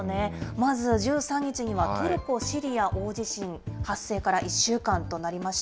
まず１３日にはトルコ・シリア大地震、発生から１週間となりました。